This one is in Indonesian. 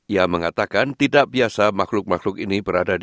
ia mengatakan tidak biasa makhluk makhluk ini